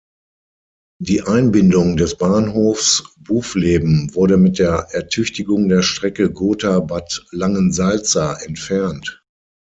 Die Einbindung des Bahnhofs Bufleben wurde mit der Ertüchtigung der Strecke Gotha–Bad Langensalza entfernt.